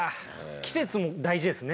季節も大事ですね